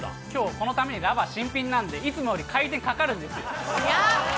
今日このためにラバー新品なんでいつもより回転かかるんですよ。